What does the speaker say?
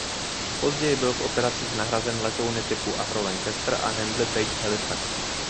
Později byl v operacích nahrazen letouny typu Avro Lancaster a Handley Page Halifax.